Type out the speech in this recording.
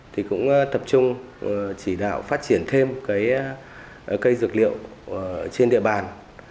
thì cũng tập trung chỉ đạo phát triển thêm cái cây dược liệu trên địa bàn